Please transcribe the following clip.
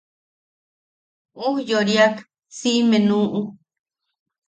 Ujyoiriak siʼime nuʼu.